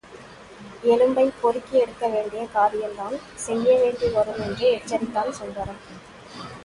எலும்பைப் பொறுக்கி எடுக்க வேண்டிய காரியந்தான் செய்ய வேண்டி வரும் என்று எச்சரித்தான் சுந்தரம்.